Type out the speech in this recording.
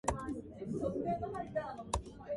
Magnetogravity waves are found in the corona of the Sun.